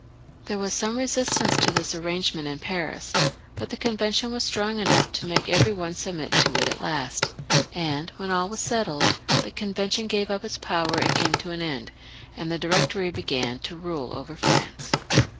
There was some resist ance to this arrangement in Paris, but the Convention were strong enough to make every one submit to them at last, and when all was settled, they gave up their power, the Convention came to an end, and the Directory began to rule over France.